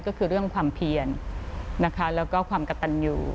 ก็คือเรื่องความเพียนนะคะแล้วก็ความกระตันอยู่